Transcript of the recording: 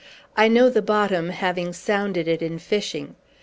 "I know the bottom, having sounded it in fishing.